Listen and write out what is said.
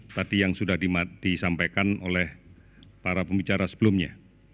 tadi yang sudah disampaikan oleh para pembicara sebelumnya